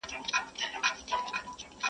که بیرغ د احمدشاه دی که شمشېر د خوشحال خان دی -